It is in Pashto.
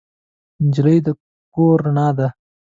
نجلۍ د کور رڼا ده.